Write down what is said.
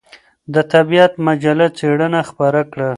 د طبعیت مجله څېړنه خپره کړه.